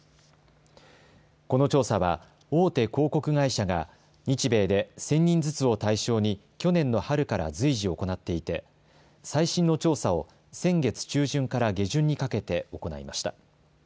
この調査は大手広告会社が日米で１０００人ずつを対象に去年の春から随時行っていて最新の調査を先月中旬から下旬にかけて行いました。